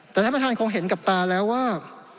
แต่ท่านประธานคงเห็นกับตาแล้วว่า